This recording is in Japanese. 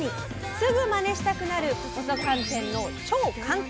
すぐマネしたくなる細寒天の超簡単！